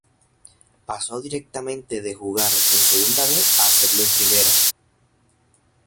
Pasó directamente de jugar en Segunda B a hacerlo en Primera.